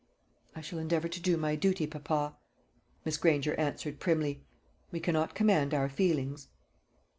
"I shall endeavour to do my duty, papa," Miss Granger answered primly. "We cannot command our feelings."